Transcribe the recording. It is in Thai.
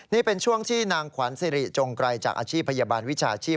นี่เป็นช่วงที่นางขวัญสิริจงไกรจากอาชีพพยาบาลวิชาชีพ